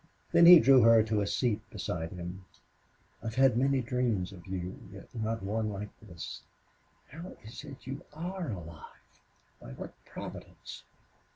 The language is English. Then he drew her to a seat beside him. "I've had many dreams of you, yet not one like this.... How is it you are alive? By what Providence?...